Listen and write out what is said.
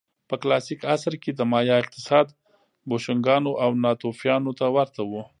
په کلاسیک عصر کې د مایا اقتصاد بوشونګانو او ناتوفیانو ته ورته و